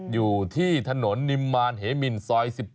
อยู่ที่ถนนนิมมารเหมินซอย๑๗